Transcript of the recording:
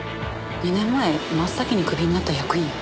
２年前真っ先にクビになった役員よ。